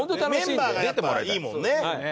メンバーがやっぱいいもんね。